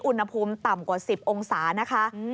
อุณหภูมิต่ำกว่า๑๐องศานะคะ